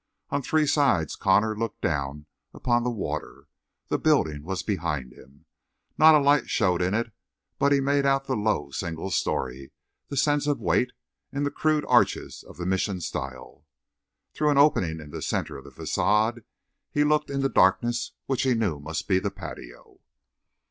On three sides Connor looked down upon water; the building was behind him. Not a light showed in it, but he made out the low, single story, the sense of weight, and crude arches of the Mission style. Through an opening in the center of the façade he looked into darkness which he knew must be the patio.